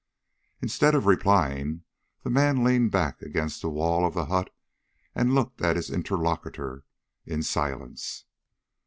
Instead of replying, the man leaned back against the wall of the hut and looked at his interlocutor in silence.